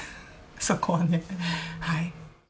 そこはねはい。